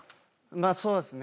まぁそうですね。